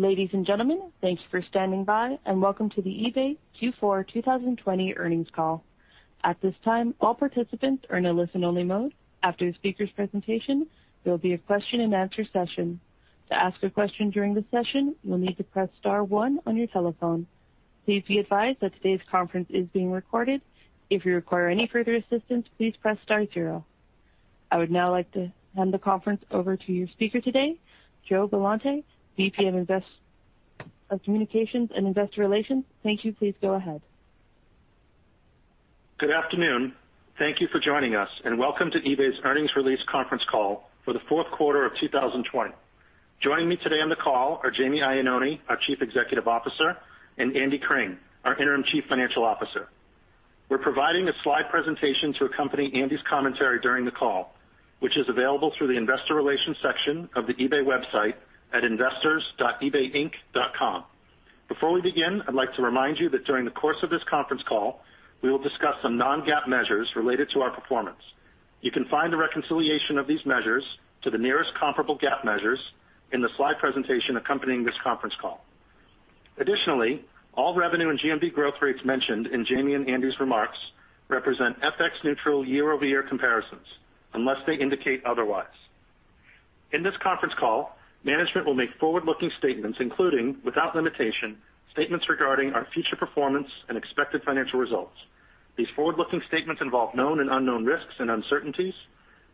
Ladies and gentlemen, thank you for standing by, and welcome to the eBay Q4 2020 earnings call. At this time, all participants are in a listen-only mode. After the speaker's presentation, there will be a question and answer session. To ask a question during the session, you'll need to press star one on your telephone. Please be advised that today's conference is being recorded. If you require any further assistance, please press star zero. I would now like to hand the conference over to your speaker today, Joe Billante, VP of Communications and Investor Relations. Thank you. Please go ahead. Good afternoon. Thank you for joining us, and welcome to eBay's earnings release conference call for the fourth quarter of 2020. Joining me today on the call are Jamie Iannone, our Chief Executive Officer, and Andy Cring, our interim Chief Financial Officer. We're providing a slide presentation to accompany Andy's commentary during the call, which is available through the investor relations section of the eBay website at investors.ebayinc.com. Before we begin, I'd like to remind you that during the course of this conference call, we will discuss some non-GAAP measures related to our performance. You can find a reconciliation of these measures to the nearest comparable GAAP measures in the slide presentation accompanying this conference call. Additionally, all revenue and GMV growth rates mentioned in Jamie and Andy's remarks represent FX neutral year-over-year comparisons unless they indicate otherwise. In this conference call, management will make forward-looking statements, including, without limitation, statements regarding our future performance and expected financial results. These forward-looking statements involve known and unknown risks and uncertainties.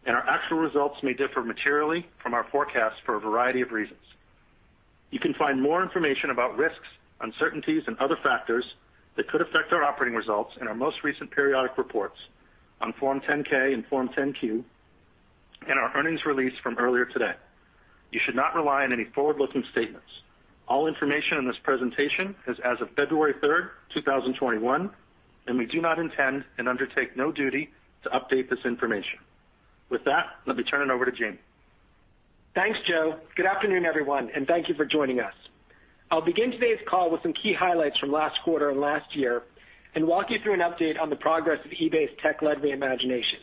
Our actual results may differ materially from our forecasts for a variety of reasons. You can find more information about risks, uncertainties, and other factors that could affect our operating results in our most recent periodic reports on Form 10-K and Form 10-Q and our earnings release from earlier today. You should not rely on any forward-looking statements. All information in this presentation is as of February 3rd, 2021. We do not intend and undertake no duty to update this information. With that, let me turn it over to Jamie. Thanks, Joe. Good afternoon, everyone, and thank you for joining us. I'll begin today's call with some key highlights from last quarter and last year and walk you through an update on the progress of eBay's tech-led reimagination.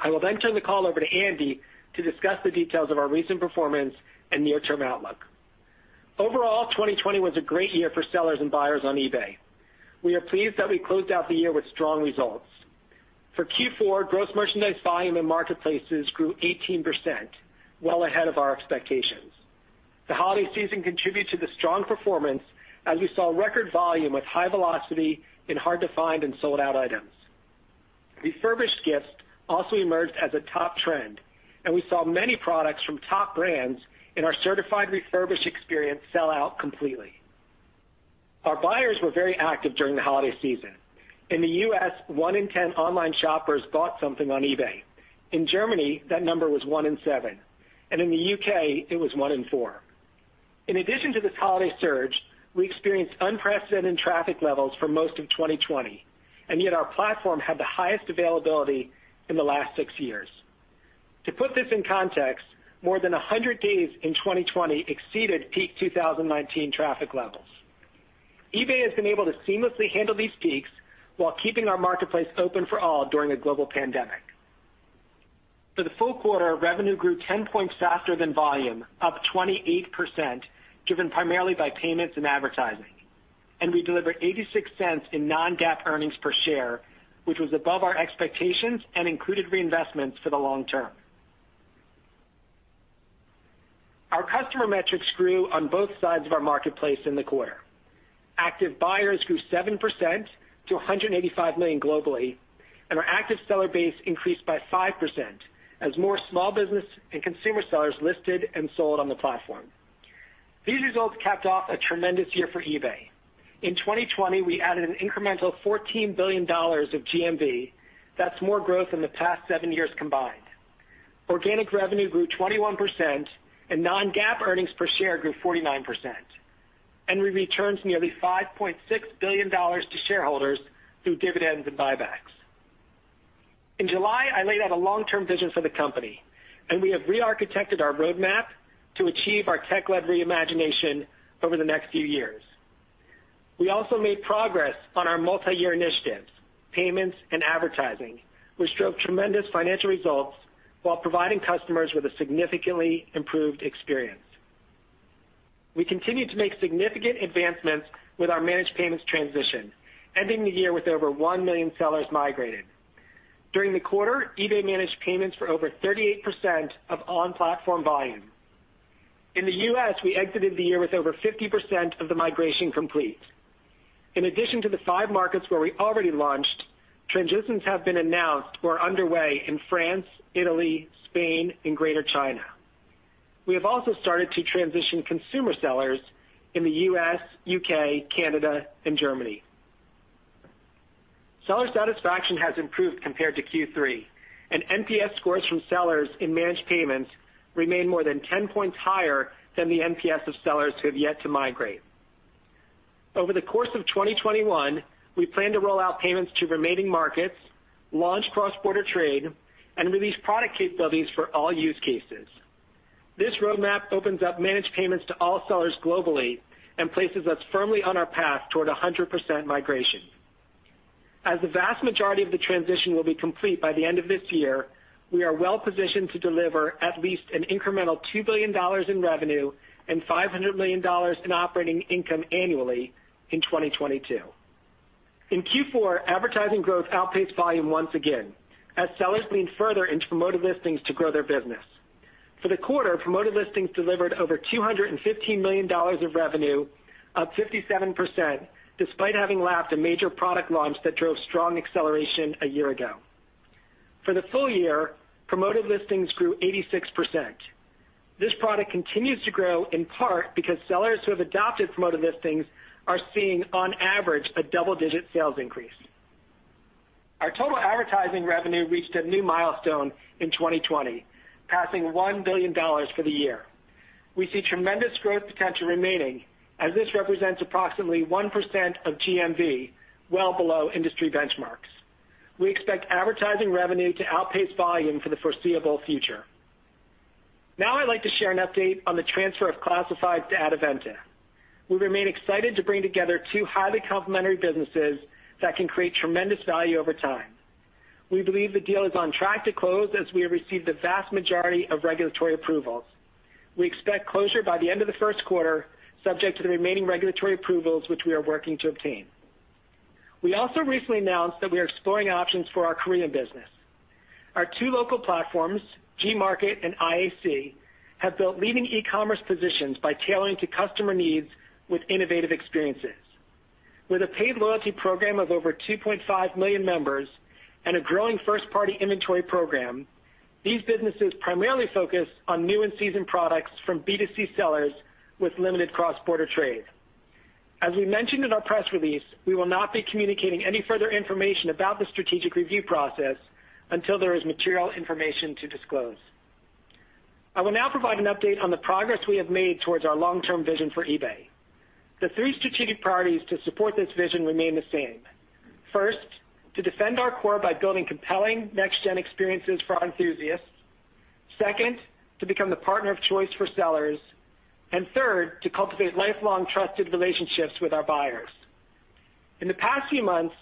I will turn the call over to Andy to discuss the details of our recent performance and near-term outlook. 2020 was a great year for sellers and buyers on eBay. We are pleased that we closed out the year with strong results. For Q4, gross merchandise volume in marketplaces grew 18%, well ahead of our expectations. The holiday season contributed to the strong performance as we saw record volume with high velocity in hard-to-find and sold-out items. Refurbished gifts also emerged as a top trend, and we saw many products from top brands in our Certified Refurbished experience sell out completely. Our buyers were very active during the holiday season. In the U.S., one in 10 online shoppers bought something on eBay. In Germany, that number was one in seven, and in the U.K., it was one in four. In addition to this holiday surge, we experienced unprecedented traffic levels for most of 2020, yet our platform had the highest availability in the last six years. To put this in context, more than 100 days in 2020 exceeded peak 2019 traffic levels. eBay has been able to seamlessly handle these peaks while keeping our marketplace open for all during a global pandemic. For the full quarter, revenue grew 10 points faster than volume, up 28%, driven primarily by payments and advertising. We delivered $0.86 in non-GAAP earnings per share, which was above our expectations and included reinvestments for the long term. Our customer metrics grew on both sides of our marketplace in the quarter. Active buyers grew 7% to 185 million globally, and our active seller base increased by 5% as more small business and consumer sellers listed and sold on the platform. These results capped off a tremendous year for eBay. In 2020, we added an incremental $14 billion of GMV. That's more growth than the past seven years combined. Organic revenue grew 21%, and non-GAAP EPS grew 49%. We returned nearly $5.6 billion to shareholders through dividends and buybacks. In July, I laid out a long-term vision for the company, and we have re-architected our roadmap to achieve our tech-led reimagination over the next few years. We also made progress on our multi-year initiatives, Payments, and advertising, which drove tremendous financial results while providing customers with a significantly improved experience. We continued to make significant advancements with our Managed Payments transition, ending the year with over one million sellers migrated. During the quarter, eBay Managed Payments for over 38% of on-platform volume. In the U.S., we exited the year with over 50% of the migration complete. In addition to the five markets where we already launched, transitions have been announced or are underway in France, Italy, Spain, and Greater China. We have also started to transition consumer sellers in the U.S., U.K., Canada, and Germany. Seller satisfaction has improved compared to Q3, and NPS scores from sellers in Managed Payments remain more than 10 points higher than the NPS of sellers who have yet to migrate. Over the course of 2021, we plan to roll out payments to remaining markets, launch cross-border trade, and release product capabilities for all use cases. This roadmap opens up Managed Payments to all sellers globally and places us firmly on our path toward 100% migration. As the vast majority of the transition will be complete by the end of this year, we are well-positioned to deliver at least an incremental $2 billion in revenue and $500 million in operating income annually in 2022. In Q4, advertising growth outpaced volume once again as sellers leaned further into Promoted Listings to grow their business. For the quarter, Promoted Listings delivered over $215 million of revenue, up 57%, despite having lapped a major product launch that drove strong acceleration a year ago. For the full year, Promoted Listings grew 86%. This product continues to grow in part because sellers who have adopted Promoted Listings are seeing, on average, a double-digit sales increase. Our total advertising revenue reached a new milestone in 2020, passing $1 billion for the year. We see tremendous growth potential remaining, as this represents approximately 1% of GMV, well below industry benchmarks. We expect advertising revenue to outpace volume for the foreseeable future. Now I'd like to share an update on the transfer of Classifieds to Adevinta. We remain excited to bring together two highly complementary businesses that can create tremendous value over time. We believe the deal is on track to close as we have received the vast majority of regulatory approvals. We expect closure by the end of the first quarter, subject to the remaining regulatory approvals, which we are working to obtain. We also recently announced that we are exploring options for our Korean business. Our two local platforms, Gmarket and IAC, have built leading e-commerce positions by tailoring to customer needs with innovative experiences. With a paid loyalty program of over 2.5 million members and a growing first-party inventory program, these businesses primarily focus on new and in-season products from B2C sellers with limited cross-border trade. As we mentioned in our press release, we will not be communicating any further information about the strategic review process until there is material information to disclose. I will now provide an update on the progress we have made towards our long-term vision for eBay. The three strategic priorities to support this vision remain the same. First, to defend our core by building compelling next-gen experiences for our enthusiasts. Second, to become the partner of choice for sellers. Third, to cultivate lifelong trusted relationships with our buyers. In the past few months,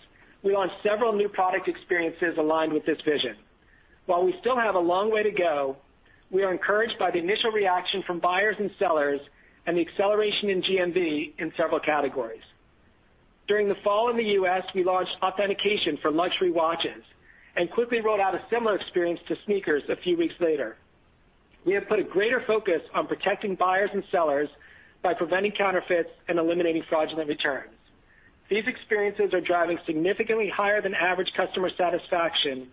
we launched several new product experiences aligned with this vision. While we still have a long way to go, we are encouraged by the initial reaction from buyers and sellers and the acceleration in GMV in several categories. During the fall in the U.S., we launched authentication for luxury watches and quickly rolled out a similar experience to sneakers a few weeks later. We have put a greater focus on protecting buyers and sellers by preventing counterfeits and eliminating fraudulent returns. These experiences are driving significantly higher than average customer satisfaction,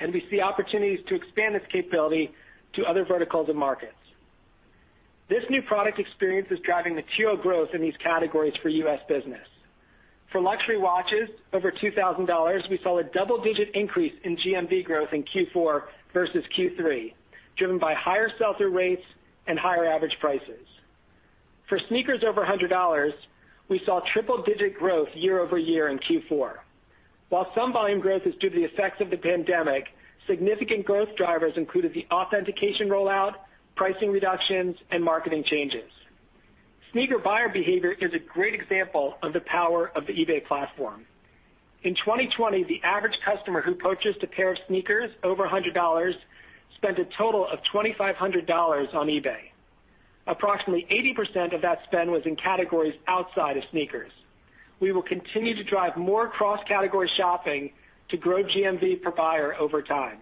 and we see opportunities to expand this capability to other verticals and markets. This new product experience is driving material growth in these categories for U.S. business. For luxury watches over $2,000, we saw a double-digit increase in GMV growth in Q4 versus Q3, driven by higher sell-through rates and higher average prices. For sneakers over $100, we saw triple-digit growth year-over-year in Q4. While some volume growth is due to the effects of the pandemic, significant growth drivers included the authentication rollout, pricing reductions, and marketing changes. Sneaker buyer behavior is a great example of the power of the eBay platform. In 2020, the average customer who purchased a pair of sneakers over $100 spent a total of $2,500 on eBay. Approximately 80% of that spend was in categories outside of sneakers. We will continue to drive more cross-category shopping to grow GMV per buyer over time.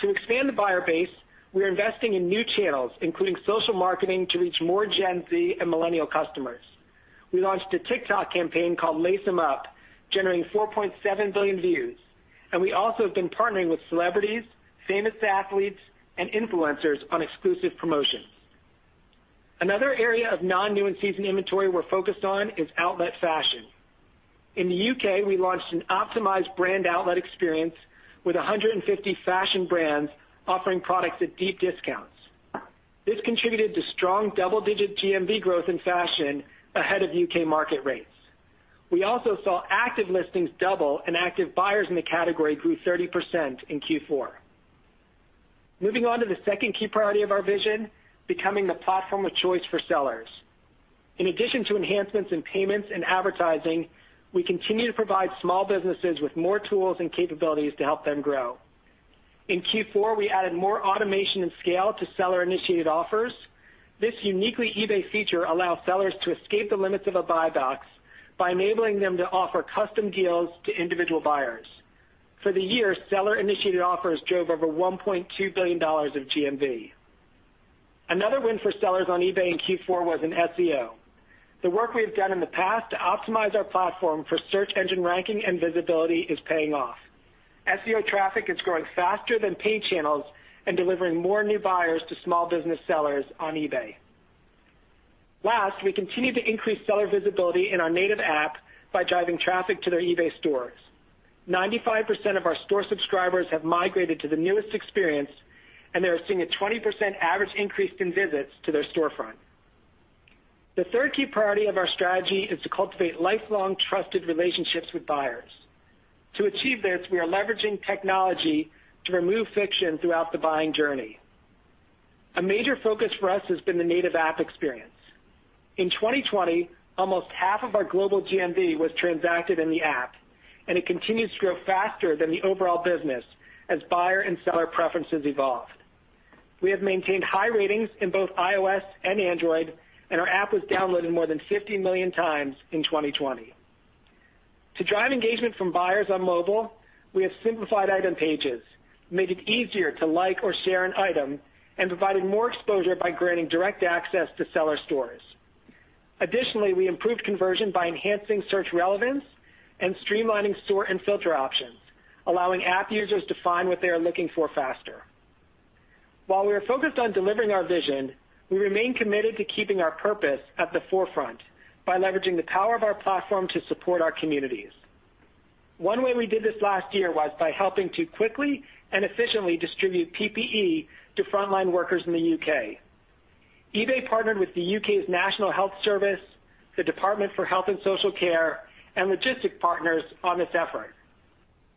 To expand the buyer base, we are investing in new channels, including social marketing, to reach more Gen Z and millennial customers. We launched a TikTok campaign called Lace 'Em Up, generating 4.7 billion views, and we also have been partnering with celebrities, famous athletes, and influencers on exclusive promotions. Another area of non-new and in-season inventory we're focused on is outlet fashion. In the U.K., we launched an optimized brand outlet experience with 150 fashion brands offering products at deep discounts. This contributed to strong double-digit GMV growth in fashion ahead of U.K. market rates. We also saw active listings double and active buyers in the category grew 30% in Q4. Moving on to the second key priority of our vision, becoming the platform of choice for sellers. In addition to enhancements in payments and advertising, we continue to provide small businesses with more tools and capabilities to help them grow. In Q4, we added more automation and scale to seller-initiated offers. This uniquely eBay feature allows sellers to escape the limits of a buy box by enabling them to offer custom deals to individual buyers. For the year, seller-initiated offers drove over $1.2 billion of GMV. Another win for sellers on eBay in Q4 was in SEO. The work we have done in the past to optimize our platform for SEO ranking and visibility is paying off. SEO traffic is growing faster than paid channels and delivering more new buyers to small business sellers on eBay. Last, we continue to increase seller visibility in our native app by driving traffic to their eBay stores. 95% of our store subscribers have migrated to the newest experience, and they are seeing a 20% average increase in visits to their storefront. The third key priority of our strategy is to cultivate lifelong trusted relationships with buyers. To achieve this, we are leveraging technology to remove friction throughout the buying journey. A major focus for us has been the native app experience. In 2020, almost half of our global GMV was transacted in the app, and it continues to grow faster than the overall business as buyer and seller preferences evolved. We have maintained high ratings in both iOS and Android, and our app was downloaded more than 50 million times in 2020. To drive engagement from buyers on mobile, we have simplified item pages, made it easier to like or share an item, and provided more exposure by granting direct access to seller stores. We improved conversion by enhancing search relevance and streamlining sort and filter options, allowing app users to find what they are looking for faster. While we are focused on delivering our vision, we remain committed to keeping our purpose at the forefront by leveraging the power of our platform to support our communities. One way we did this last year was by helping to quickly and efficiently distribute PPE to frontline workers in the U.K. eBay partnered with the U.K.'s National Health Service, the Department for Health and Social Care, and logistic partners on this effort.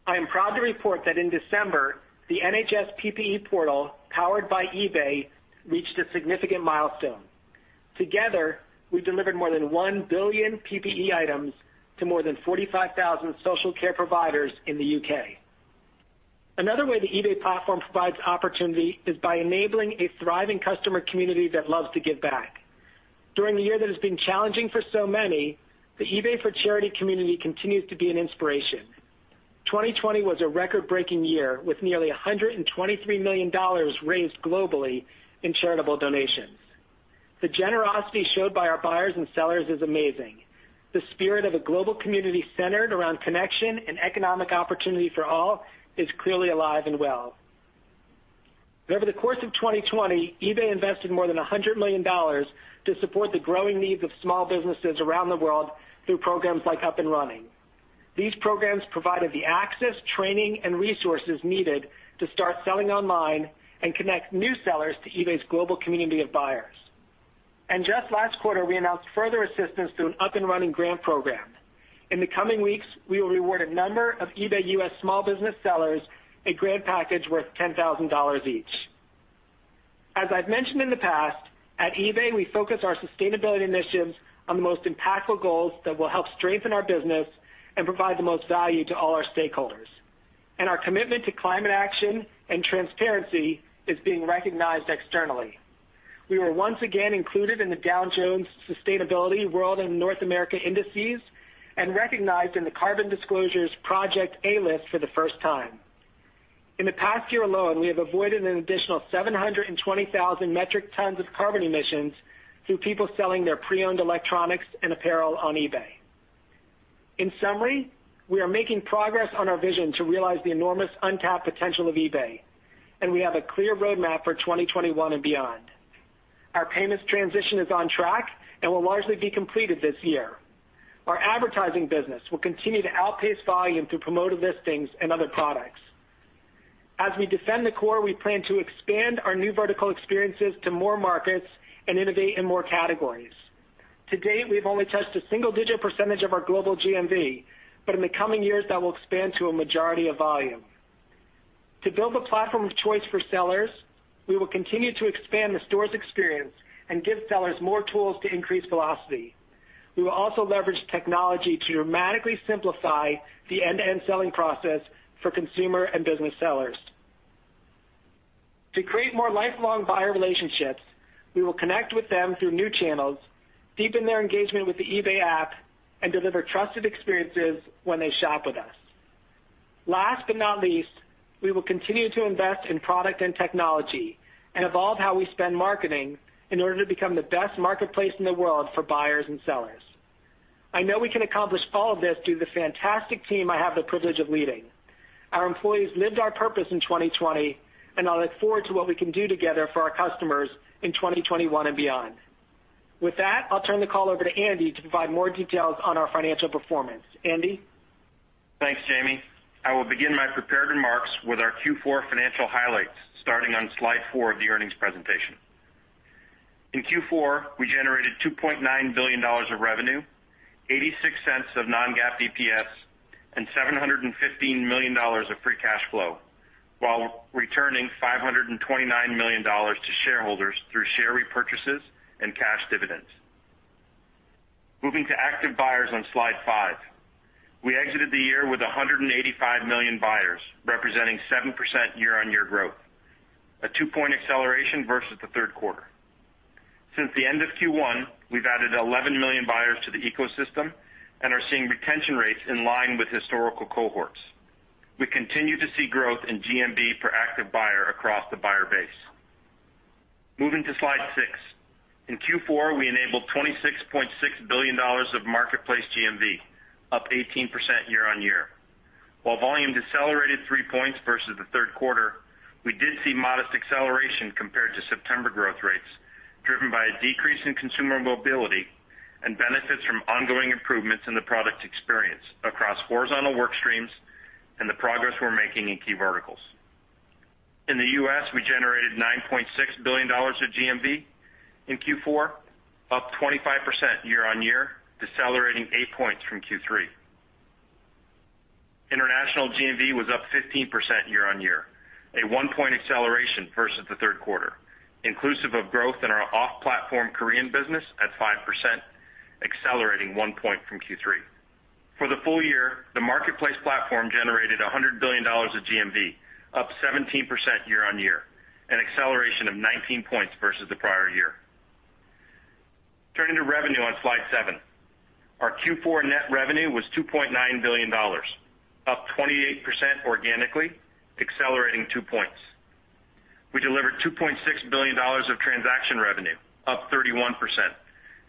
I am proud to report that in December, the NHS PPE portal, powered by eBay, reached a significant milestone. Together, we delivered more than 1 billion PPE items to more than 45,000 social care providers in the U.K. Another way the eBay platform provides opportunity is by enabling a thriving customer community that loves to give back. During a year that has been challenging for so many, the eBay for Charity community continues to be an inspiration. 2020 was a record-breaking year, with nearly $123 million raised globally in charitable donations. The generosity showed by our buyers and sellers is amazing. The spirit of a global community centered around connection and economic opportunity for all is clearly alive and well. Over the course of 2020, eBay invested more than $100 million to support the growing needs of small businesses around the world through programs like Up & Running. These programs provided the access, training, and resources needed to start selling online and connect new sellers to eBay's global community of buyers. Just last quarter, we announced further assistance through an Up & Running grant program. In the coming weeks, we will reward a number of eBay U.S. small business sellers a grant package worth $10,000 each. As I've mentioned in the past, at eBay, we focus our sustainability initiatives on the most impactful goals that will help strengthen our business and provide the most value to all our stakeholders. Our commitment to climate action and transparency is being recognized externally. We were once again included in the Dow Jones Sustainability World Index and Dow Jones Sustainability North America Index and recognized in the Carbon Disclosure Project A List for the first time. In the past year alone, we have avoided an additional 720,000 metric tons of carbon emissions through people selling their pre-owned electronics and apparel on eBay. In summary, we are making progress on our vision to realize the enormous untapped potential of eBay, and we have a clear roadmap for 2021 and beyond. Our payments transition is on track and will largely be completed this year. Our advertising business will continue to outpace volume through Promoted Listings and other products. As we defend the core, we plan to expand our new vertical experiences to more markets and innovate in more categories. To date, we've only touched a single-digit % of our global GMV, but in the coming years, that will expand to a majority of volume. To build a platform of choice for sellers, we will continue to expand the stores experience and give sellers more tools to increase velocity. We will also leverage technology to dramatically simplify the end-to-end selling process for consumer and business sellers. To create more lifelong buyer relationships, we will connect with them through new channels, deepen their engagement with the eBay app, and deliver trusted experiences when they shop with us. Last but not least, we will continue to invest in product and technology and evolve how we spend marketing in order to become the best marketplace in the world for buyers and sellers. I know we can accomplish all of this through the fantastic team I have the privilege of leading. Our employees lived our purpose in 2020, and I look forward to what we can do together for our customers in 2021 and beyond. With that, I'll turn the call over to Andy to provide more details on our financial performance. Andy? Thanks, Jamie. I will begin my prepared remarks with our Q4 financial highlights, starting on slide four of the earnings presentation. In Q4, we generated $2.9 billion of revenue, $0.86 of non-GAAP EPS, and $715 million of free cash flow while returning $529 million to shareholders through share repurchases and cash dividends. Moving to active buyers on slide five. We exited the year with 185 million buyers, representing 7% year-on-year growth, a two-point acceleration versus the third quarter. Since the end of Q1, we've added 11 million buyers to the ecosystem and are seeing retention rates in line with historical cohorts. We continue to see growth in GMV per active buyer across the buyer base. Moving to slide six. In Q4, we enabled $26.6 billion of marketplace GMV, up 18% year-on-year. While volume decelerated three points versus the third quarter, we did see modest acceleration compared to September growth rates, driven by a decrease in consumer mobility and benefits from ongoing improvements in the product experience across horizontal work streams and the progress we're making in key verticals. In the U.S., we generated $9.6 billion of GMV in Q4, up 25% year-on-year, decelerating eight points from Q3. International GMV was up 15% year-on-year, a one-point acceleration versus the third quarter, inclusive of growth in our off-platform Korean business at 5%, accelerating one point from Q3. For the full year, the marketplace platform generated $100 billion of GMV, up 17% year-on-year, an acceleration of 19 points versus the prior year. Turning to revenue on slide seven. Our Q4 net revenue was $2.9 billion, up 28% organically, accelerating two points. We delivered $2.6 billion of transaction revenue, up 31%,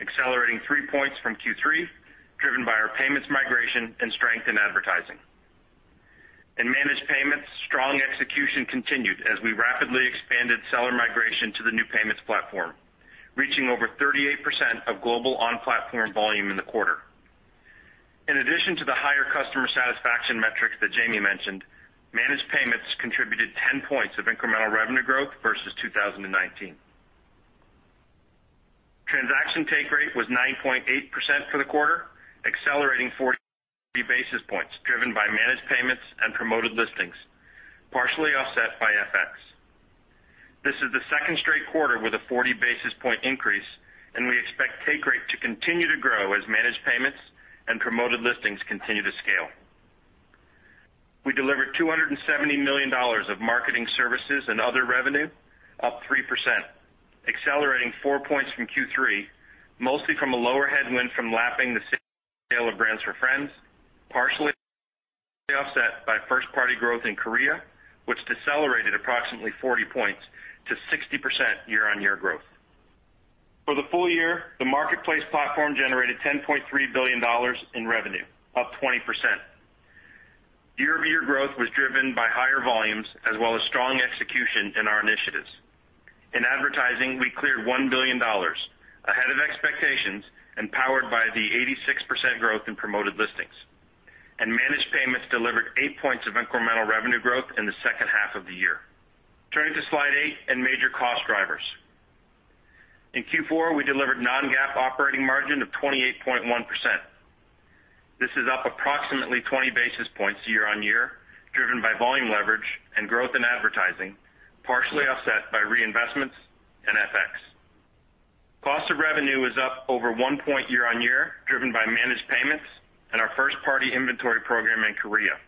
accelerating three points from Q3, driven by our payments migration and strength in advertising. In Managed Payments, strong execution continued as we rapidly expanded seller migration to the new payments platform, reaching over 38% of global on-platform volume in the quarter. In addition to the higher customer satisfaction metrics that Jamie mentioned, Managed Payments contributed 10 points of incremental revenue growth versus 2019. Transaction take rate was 9.8% for the quarter, accelerating 43 basis points, driven by Managed Payments and Promoted Listings, partially offset by FX. This is the second straight quarter with a 40 basis point increase, and we expect take rate to continue to grow as Managed Payments and Promoted Listings continue to scale. We delivered $270 million of marketing services and other revenue, up 3%, accelerating four points from Q3, mostly from a lower headwind from lapping the sale of brands4friends, partially offset by first-party growth in Korea, which decelerated approximately 40 points to 60% year-on-year growth. For the full year, the marketplace platform generated $10.3 billion in revenue, up 20%. Year-over-year growth was driven by higher volumes as well as strong execution in our initiatives. In advertising, we cleared $1 billion, ahead of expectations and powered by the 86% growth in Promoted Listings. Managed Payments delivered 8 points of incremental revenue growth in the second half of the year. Turning to slide eight and major cost drivers. In Q4, we delivered non-GAAP operating margin of 28.1%. This is up approximately 20 basis points year-on-year, driven by volume leverage and growth in advertising, partially offset by reinvestments and FX. Cost of revenue was up over one point year-on-year, driven by Managed Payments and our first-party inventory program in Korea,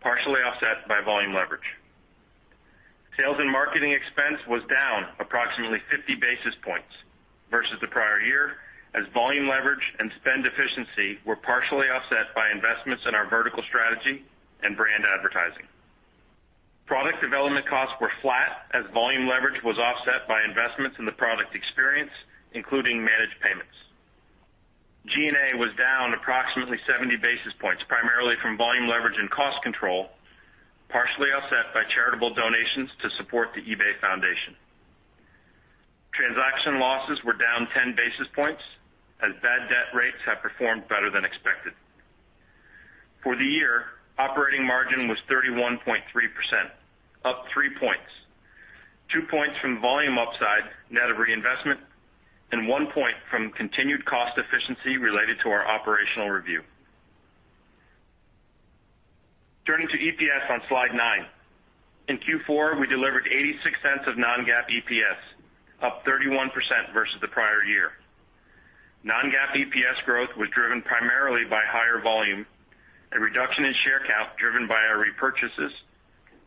partially offset by volume leverage. Sales and marketing expense was down approximately 50 basis points versus the prior year, as volume leverage and spend efficiency were partially offset by investments in our vertical strategy and brand advertising. Product development costs were flat as volume leverage was offset by investments in the product experience, including Managed Payments. G&A was down approximately 70 basis points, primarily from volume leverage and cost control, partially offset by charitable donations to support the eBay Foundation. Transaction losses were down 10 basis points as bad debt rates have performed better than expected. For the year, operating margin was 31.3%, up three points, two points from volume upside net of reinvestment, and one point from continued cost efficiency related to our operational review. Turning to EPS on slide nine. In Q4, we delivered $0.86 of non-GAAP EPS, up 31% versus the prior year. Non-GAAP EPS growth was driven primarily by higher volume, a reduction in share count driven by our repurchases,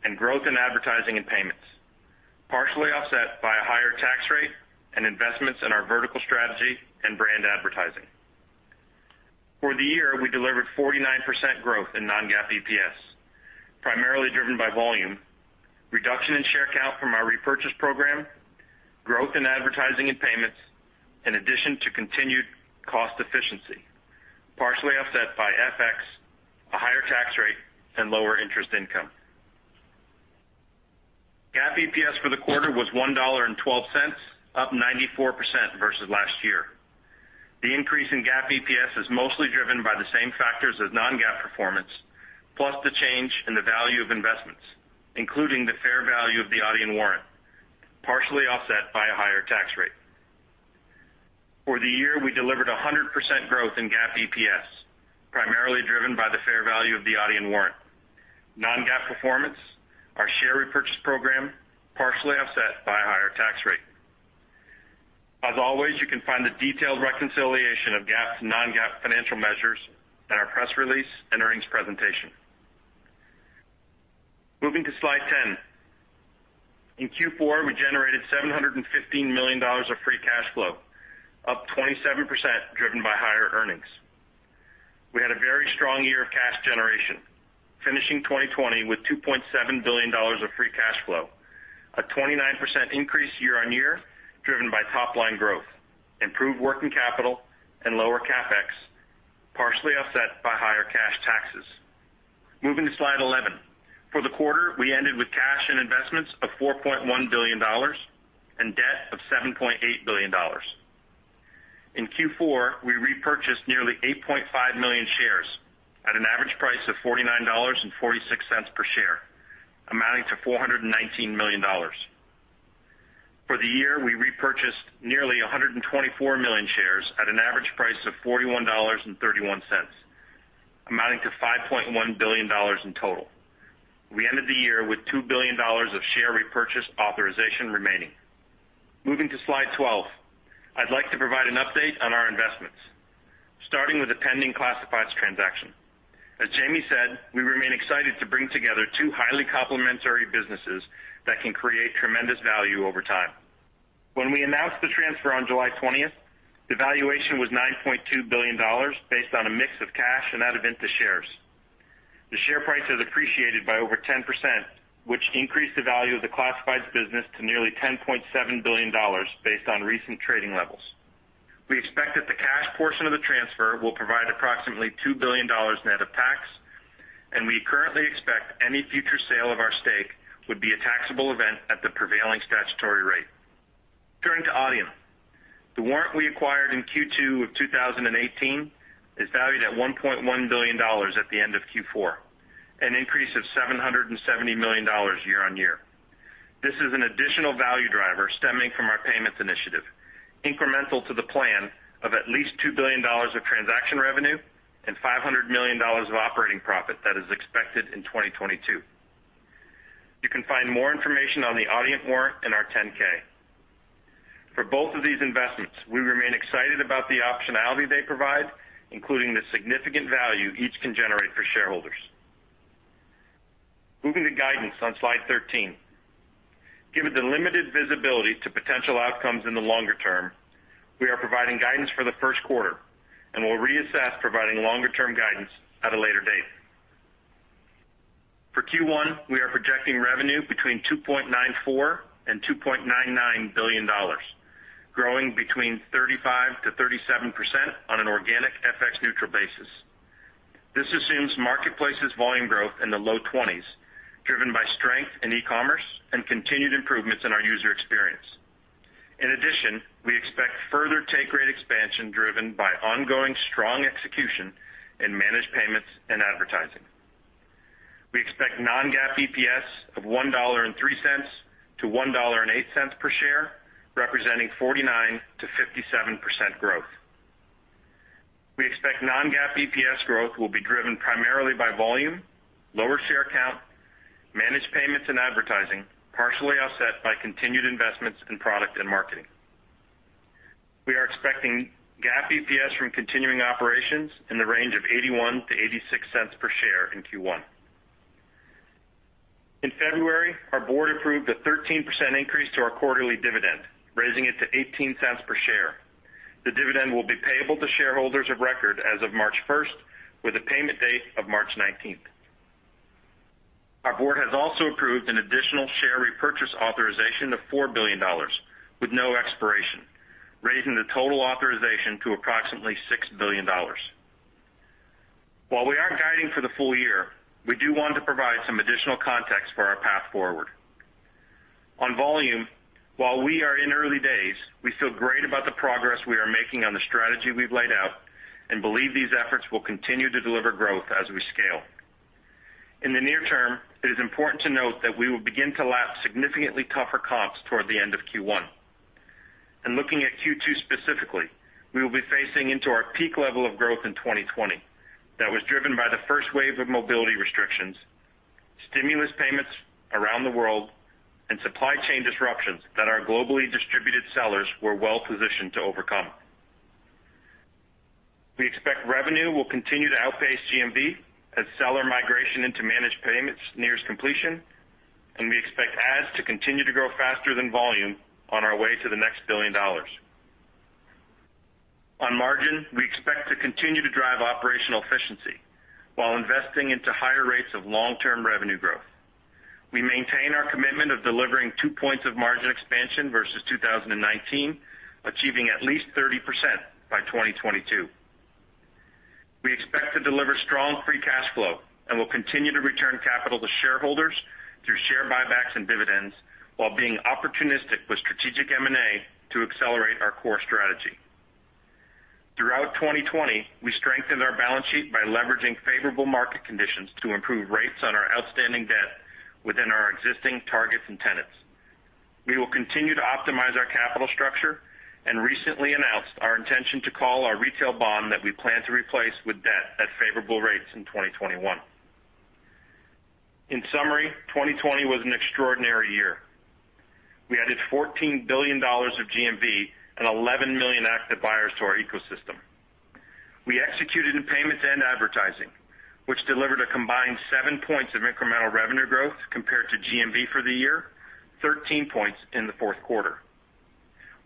and growth in advertising and payments, partially offset by a higher tax rate and investments in our vertical strategy and brand advertising. For the year, we delivered 49% growth in non-GAAP EPS, primarily driven by volume, reduction in share count from our repurchase program, growth in advertising and payments, in addition to continued cost efficiency, partially offset by FX, a higher tax rate, and lower interest income. GAAP EPS for the quarter was $1.12, up 94% versus last year. The increase in GAAP EPS is mostly driven by the same factors as non-GAAP performance, plus the change in the value of investments, including the fair value of the Adyen warrant, partially offset by a higher tax rate. For the year, we delivered 100% growth in GAAP EPS, primarily driven by the fair value of the Adyen warrant, non-GAAP performance, our share repurchase program, partially offset by a higher tax rate. As always, you can find the detailed reconciliation of GAAP to non-GAAP financial measures in our press release and earnings presentation. Moving to slide 10. In Q4, we generated $715 million of free cash flow, up 27%, driven by higher earnings. We had a very strong year of cash generation, finishing 2020 with $2.7 billion of free cash flow, a 29% increase year-on-year, driven by top-line growth, improved working capital, and lower CapEx, partially offset by higher cash taxes. Moving to slide 11. For the quarter, we ended with cash and investments of $4.1 billion and debt of $7.8 billion. In Q4, we repurchased nearly 8.5 million shares at an average price of $49.46 per share, amounting to $419 million. For the year, we repurchased nearly 124 million shares at an average price of $41.31, amounting to $5.1 billion in total. We ended the year with $2 billion of share repurchase authorization remaining. Moving to slide 12. I'd like to provide an update on our investments, starting with the pending Classifieds transaction. As Jamie said, we remain excited to bring together two highly complementary businesses that can create tremendous value over time. When we announced the transfer on July 20th, the valuation was $9.2 billion, based on a mix of cash and Adevinta shares. The share price has appreciated by over 10%, which increased the value of the Classifieds business to nearly $10.7 billion based on recent trading levels. We expect that the cash portion of the transfer will provide approximately $2 billion net of tax, and we currently expect any future sale of our stake would be a taxable event at the prevailing statutory rate. Turning to Adyen. The warrant we acquired in Q2 of 2018 is valued at $1.1 billion at the end of Q4, an increase of $770 million year-on-year. This is an additional value driver stemming from our payments initiative, incremental to the plan of at least $2 billion of transaction revenue and $500 million of operating profit that is expected in 2022. You can find more information on the Adyen warrant in our 10-K. For both of these investments, we remain excited about the optionality they provide, including the significant value each can generate for shareholders. Moving to guidance on Slide 13. Given the limited visibility to potential outcomes in the longer term, we are providing guidance for the first quarter and will reassess providing longer-term guidance at a later date. For Q1, we are projecting revenue between $2.94 billion-$2.99 billion, growing between 35%-37% on an organic FX neutral basis. This assumes marketplace's volume growth in the low 20s, driven by strength in e-commerce and continued improvements in our user experience. In addition, we expect further take rate expansion driven by ongoing strong execution in Managed Payments and advertising. We expect non-GAAP EPS of $1.03-$1.08 per share, representing 49%-57% growth. We expect non-GAAP EPS growth will be driven primarily by volume, lower share count, Managed Payments and advertising, partially offset by continued investments in product and marketing. We are expecting GAAP EPS from continuing operations in the range of $0.81-$0.86 per share in Q1. In February, our board approved a 13% increase to our quarterly dividend, raising it to $0.18 per share. The dividend will be payable to shareholders of record as of March 1st, with a payment date of March 19th. Our board has also approved an additional share repurchase authorization of $4 billion with no expiration, raising the total authorization to approximately $6 billion. While we aren't guiding for the full year, we do want to provide some additional context for our path forward. On volume, while we are in early days, we feel great about the progress we are making on the strategy we've laid out and believe these efforts will continue to deliver growth as we scale. In the near term, it is important to note that we will begin to lap significantly tougher comps toward the end of Q1. Looking at Q2 specifically, we will be phasing into our peak level of growth in 2020 that was driven by the first wave of mobility restrictions, stimulus payments around the world, and supply chain disruptions that our globally distributed sellers were well-positioned to overcome. We expect revenue will continue to outpace GMV as seller migration into Managed Payments nears completion, and we expect ads to continue to grow faster than volume on our way to the next $1 billion. On margin, we expect to continue to drive operational efficiency while investing into higher rates of long-term revenue growth. We maintain our commitment of delivering two points of margin expansion versus 2019, achieving at least 30% by 2022. We expect to deliver strong free cash flow and will continue to return capital to shareholders through share buybacks and dividends while being opportunistic with strategic M&A to accelerate our core strategy. Throughout 2020, we strengthened our balance sheet by leveraging favorable market conditions to improve rates on our outstanding debt within our existing targets and tenets. We will continue to optimize our capital structure and recently announced our intention to call our retail bond that we plan to replace with debt at favorable rates in 2021. In summary, 2020 was an extraordinary year. We added $14 billion of GMV and 11 million active buyers to our ecosystem. We executed in payments and advertising, which delivered a combined seven points of incremental revenue growth compared to GMV for the year, 13 points in the fourth quarter.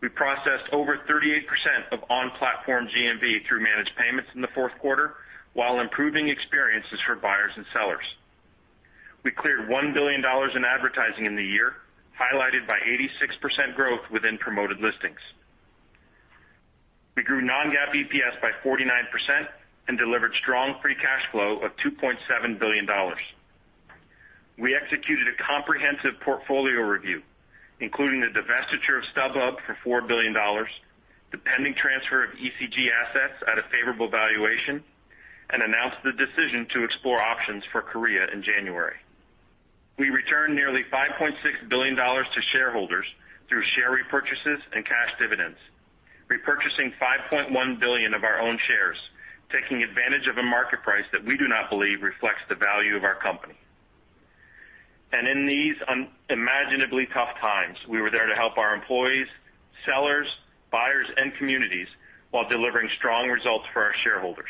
We processed over 38% of on-platform GMV through Managed Payments in the fourth quarter while improving experiences for buyers and sellers. We cleared $1 billion in advertising in the year, highlighted by 86% growth within Promoted Listings. We grew non-GAAP EPS by 49% and delivered strong free cash flow of $2.7 billion. We executed a comprehensive portfolio review, including the divestiture of StubHub for $4 billion, the pending transfer of eCG assets at a favorable valuation. Announced the decision to explore options for Korea in January. We returned nearly $5.6 billion to shareholders through share repurchases and cash dividends. Repurchasing $5.1 billion of our own shares, taking advantage of a market price that we do not believe reflects the value of our company. In these unimaginably tough times, we were there to help our employees, sellers, buyers, and communities while delivering strong results for our shareholders.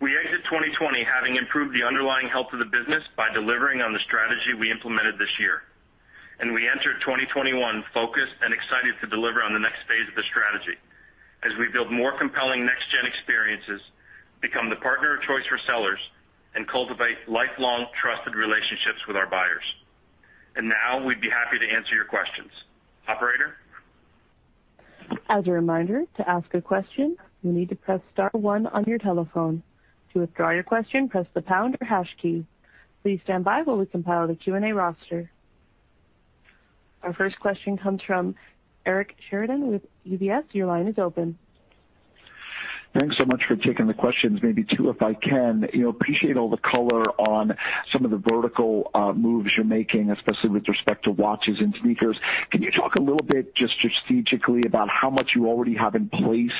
We exit 2020 having improved the underlying health of the business by delivering on the strategy we implemented this year. We enter 2021 focused and excited to deliver on the next phase of the strategy as we build more compelling next-gen experiences, become the partner of choice for sellers, and cultivate lifelong trusted relationships with our buyers. Now we'd be happy to answer your questions. Operator. As a reminder, to ask a question, you need to press star one on your telephone. To withdraw your question, press the pound or hash key. Please stand by while we compile the Q&A roster. Our first question comes from Eric Sheridan with UBS. Your line is open. Thanks so much for taking the questions. Maybe two, if I can. Appreciate all the color on some of the vertical moves you're making, especially with respect to watches and sneakers. Can you talk a little bit, just strategically, about how much you already have in place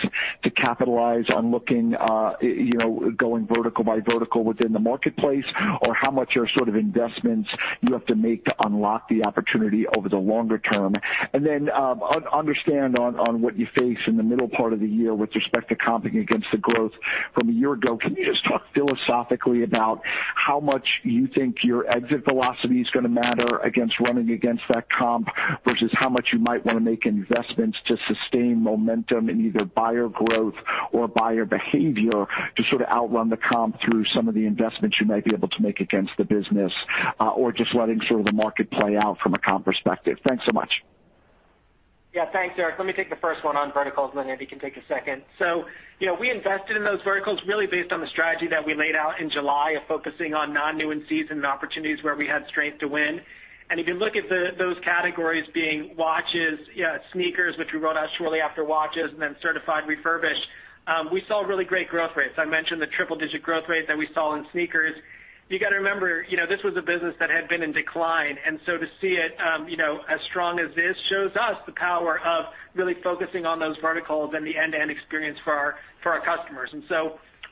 to capitalize on going vertical by vertical within the marketplace, or how much are investments you have to make to unlock the opportunity over the longer term? Understand on what you face in the middle part of the year with respect to comping against the growth from a year ago. Can you just talk philosophically about how much you think your exit velocity is going to matter against running against that comp versus how much you might want to make in investments to sustain momentum in either buyer growth or buyer behavior to outrun the comp through some of the investments you might be able to make against the business, or just letting the market play out from a comp perspective? Thanks so much. Thanks, Eric. Let me take the first one on verticals, then maybe you can take a second. We invested in those verticals really based on the strategy that we laid out in July of focusing on non-new and in-season opportunities where we had strength to win. If you look at those categories being watches, sneakers, which we rolled out shortly after watches, and then Certified Refurbished, we saw really great growth rates. I mentioned the triple-digit growth rate that we saw in sneakers. You got to remember, this was a business that had been in decline, to see it as strong as this shows us the power of really focusing on those verticals and the end-to-end experience for our customers.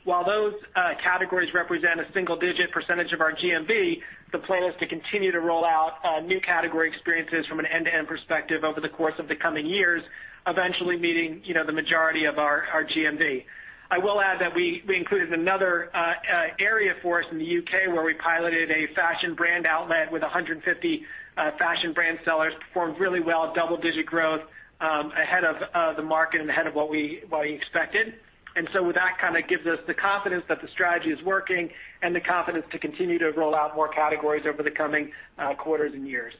While those categories represent a single-digit percentage of our GMV, the plan is to continue to roll out new category experiences from an end-to-end perspective over the course of the coming years, eventually meeting the majority of our GMV. I will add that we included another area for us in the U.K. where we piloted a fashion brand outlet with 150 fashion brand sellers. Performed really well, double-digit growth, ahead of the market and ahead of what we expected. With that kind of gives us the confidence that the strategy is working and the confidence to continue to roll out more categories over the coming quarters and years.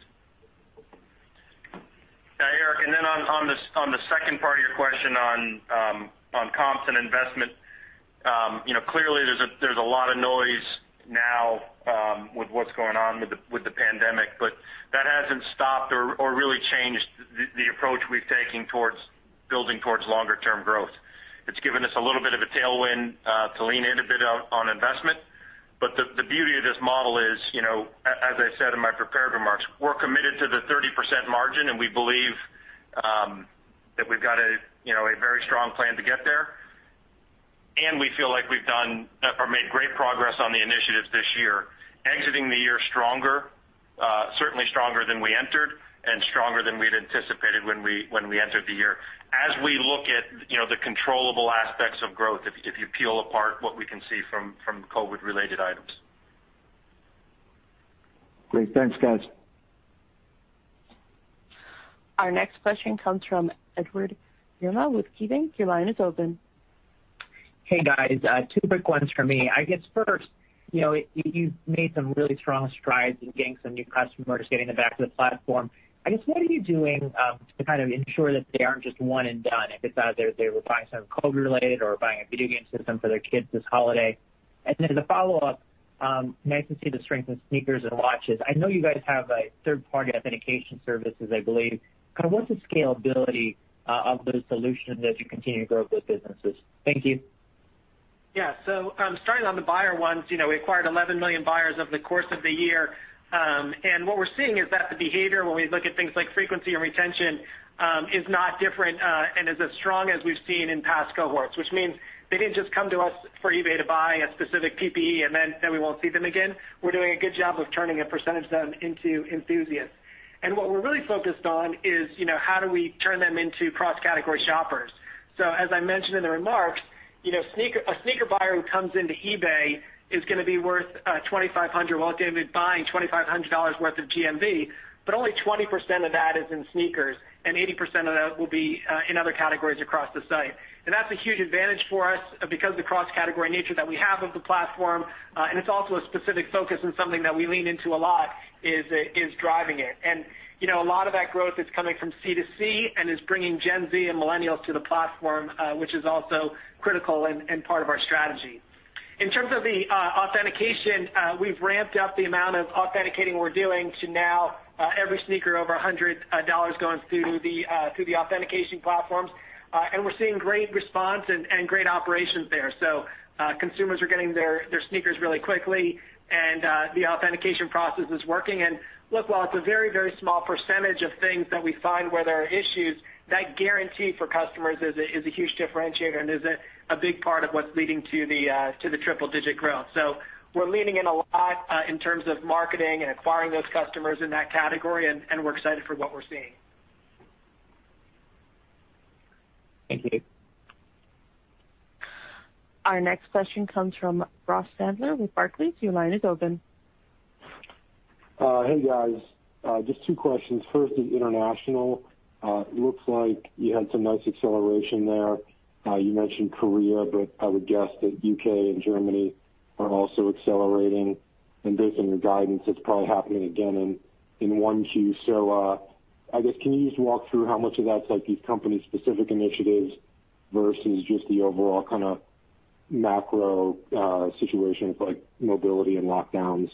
Yeah, Eric, on the second part of your question on comps and investment. Clearly there's a lot of noise now with what's going on with the pandemic, but that hasn't stopped or really changed the approach we've taken towards building towards longer-term growth. It's given us a little bit of a tailwind to lean in a bit on investment. The beauty of this model is, as I said in my prepared remarks, we're committed to the 30% margin, and we believe that we've got a very strong plan to get there. We feel like we've done or made great progress on the initiatives this year, exiting the year stronger, certainly stronger than we entered and stronger than we'd anticipated when we entered the year. As we look at the controllable aspects of growth, if you peel apart what we can see from COVID-related items. Great. Thanks, guys. Our next question comes from Edward Yruma with KeyBanc. Your line is open. Hey, guys. Two quick ones for me. I guess first, you've made some really strong strides in getting some new customers, getting them back to the platform. I guess, what are you doing to kind of ensure that they aren't just one and done? If it's either they were buying something COVID-related or buying a video game system for their kids this holiday. As a follow-up, nice to see the strength in sneakers and watches. I know you guys have third-party authentication services, I believe. What's the scalability of those solutions as you continue to grow up those businesses? Thank you. Starting on the buyer ones, we acquired 11 million buyers over the course of the year. What we're seeing is that the behavior, when we look at things like frequency and retention, is not different, and is as strong as we've seen in past cohorts, which means they didn't just come to us for eBay to buy a specific PPE, and then we won't see them again. We're doing a good job of turning a percentage of them into enthusiasts. What we're really focused on is how do we turn them into cross-category shoppers. As I mentioned in the remarks, a sneaker buyer who comes into eBay is going to be worth $2,500, well, they'll be buying $2,500 worth of GMV, but only 20% of that is in sneakers, and 80% of that will be in other categories across the site. That's a huge advantage for us because the cross-category nature that we have of the platform, and it's also a specific focus and something that we lean into a lot is driving it. A lot of that growth is coming from C2C and is bringing Gen Z and millennials to the platform, which is also critical and part of our strategy. In terms of the authentication, we've ramped up the amount of authenticating we're doing to now every sneaker over $100 going through the authentication platforms. We're seeing great response and great operations there. Consumers are getting their sneakers really quickly, and the authentication process is working. Look, while it's a very small percentage of things that we find where there are issues, that guarantee for customers is a huge differentiator and is a big part of what's leading to the triple-digit growth. We're leaning in a lot in terms of marketing and acquiring those customers in that category, and we're excited for what we're seeing. Thank you. Our next question comes from Ross Sandler with Barclays. Your line is open. Hey, guys. Just two questions. First is international. Looks like you had some nice acceleration there. You mentioned Korea, but I would guess that U.K. and Germany are also accelerating, and based on your guidance, it's probably happening again in Q1. I guess, can you just walk through how much of that's these company-specific initiatives versus just the overall kind of macro situations like mobility and lockdowns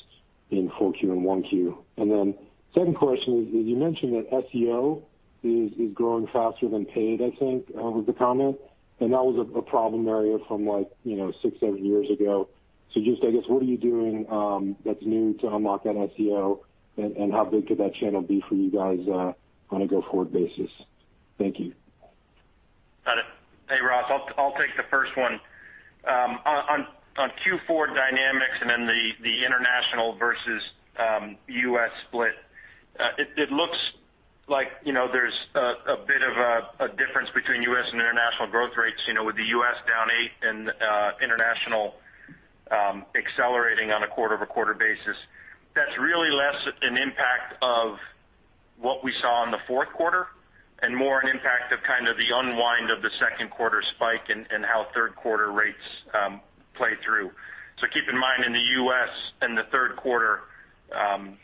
in Q4 and Q1? Second question is, you mentioned that SEO is growing faster than paid, I think, was the comment, and that was a problem area from six, seven years ago. I guess, what are you doing that's new to unlock that SEO and how big could that channel be for you guys on a go-forward basis? Thank you. Got it. Hey, Ross. I'll take the first one. On Q4 dynamics and then the international versus U.S. split, it looks like there's a bit of a difference between U.S. and international growth rates with the U.S. down 8% and international accelerating on a quarter-over-quarter basis. That's really less an impact of what we saw in the fourth quarter and more an impact of kind of the unwind of the second quarter spike and how third quarter rates play through. Keep in mind, in the U.S., in the third quarter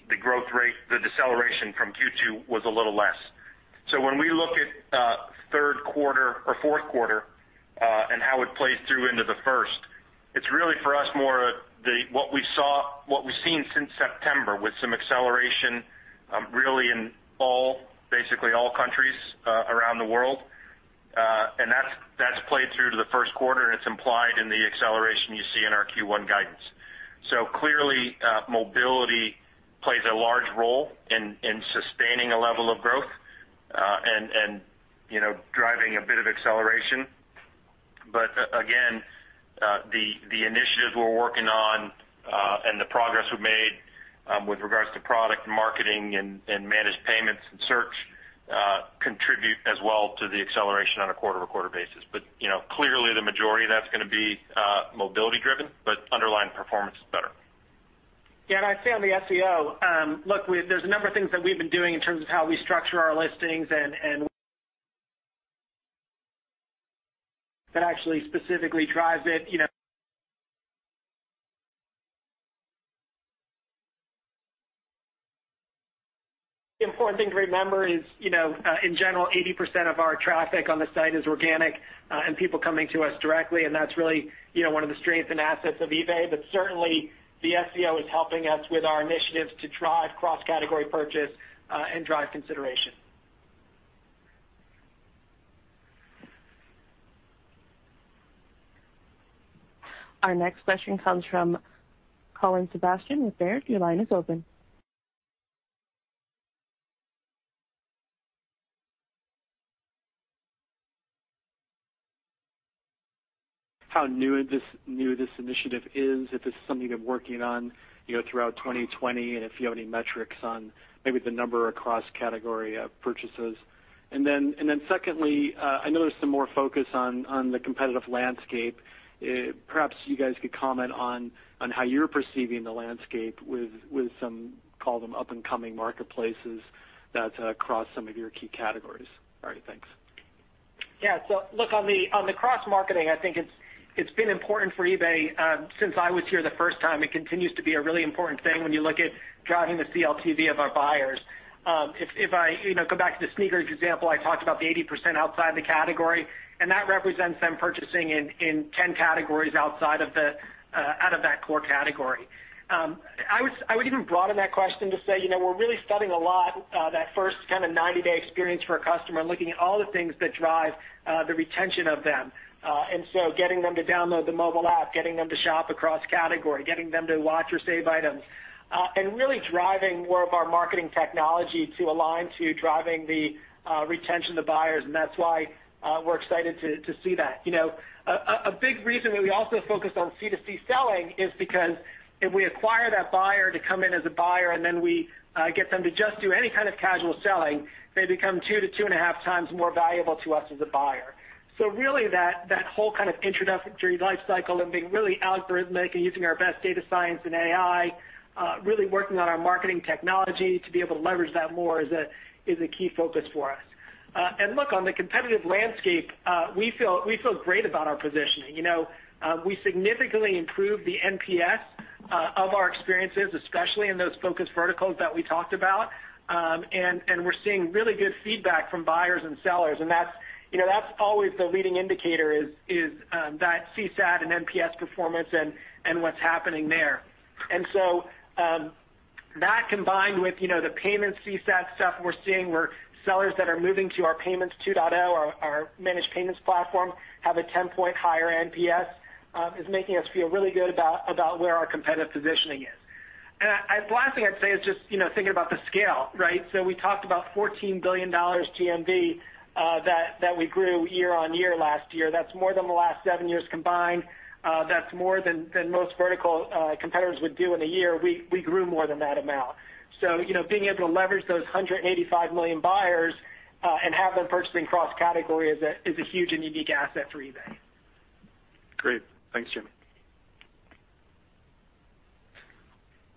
the growth rate, the deceleration from Q2 was a little less. When we look at third quarter or fourth quarter and how it plays through into the first, it's really for us more what we've seen since September with some acceleration really in basically all countries around the world. That's played through to the first quarter, and it's implied in the acceleration you see in our Q1 guidance. Clearly, mobility plays a large role in sustaining a level of growth and driving a bit of acceleration. Again, the initiatives we're working on and the progress we've made with regards to product and marketing and Managed Payments and search contribute as well to the acceleration on a quarter-over-quarter basis. Clearly the majority of that's going to be mobility-driven, but underlying performance is better. I'd say on the SEO, look, there's a number of things that we've been doing in terms of how we structure our listings and that actually specifically drives it. The important thing to remember is, in general, 80% of our traffic on the site is organic and people coming to us directly, and that's really one of the strengths and assets of eBay. Certainly the SEO is helping us with our initiatives to drive cross-category purchase and drive consideration. Our next question comes from Colin Sebastian with Baird. Your line is open. How new this initiative is, if this is something you've been working on throughout 2020, and if you have any metrics on maybe the number of cross-category purchases. Then secondly, I know there's some more focus on the competitive landscape. Perhaps you guys could comment on how you're perceiving the landscape with some, call them up-and-coming marketplaces that cross some of your key categories. All right. Thanks. Look, on the cross-marketing, I think it's been important for eBay since I was here the first time. It continues to be a really important thing when you look at driving the CLTV of our buyers. If I go back to the sneakers example, I talked about the 80% outside the category, and that represents them purchasing in 10 categories out of that core category. I would even broaden that question to say, we're really studying a lot that first kind of 90-day experience for a customer and looking at all the things that drive the retention of them. Getting them to download the mobile app, getting them to shop across category, getting them to watch or save items, and really driving more of our marketing technology to align to driving the retention of buyers. That's why we're excited to see that. A big reason why we also focus on C2C selling is because if we acquire that buyer to come in as a buyer, then we get them to just do any kind of casual selling, they become two to two and a half times more valuable to us as a buyer. Really that whole kind of introductory life cycle and being really algorithmic and using our best data science and AI, really working on our marketing technology to be able to leverage that more is a key focus for us. Look, on the competitive landscape, we feel great about our positioning. We significantly improved the NPS of our experiences, especially in those focused verticals that we talked about, and we're seeing really good feedback from buyers and sellers. That's always the leading indicator is that CSAT and NPS performance and what's happening there. That combined with the payments CSAT stuff we're seeing where sellers that are moving to our Payments 2.0, our Managed Payments platform, have a 10-point higher NPS, is making us feel really good about where our competitive positioning is. The last thing I'd say is just thinking about the scale, right? We talked about $14 billion GMV that we grew year-over-year last year. That's more than the last seven years combined. That's more than most vertical competitors would do in a year. We grew more than that amount. Being able to leverage those 185 million buyers and have them purchasing cross-category is a huge and unique asset for eBay. Great. Thanks, Jamie.